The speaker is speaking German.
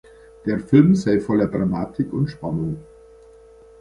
Der Film sei voller Dramatik und Spannung.